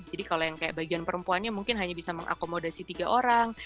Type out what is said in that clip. jadi kalau yang kayak bagian perempuannya mungkin hanya bisa mengakomodasi tiga orang